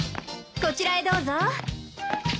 こちらへどうぞ。